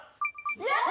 やった！